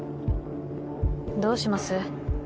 どうします？